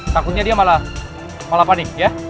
takutnya dia malah panik ya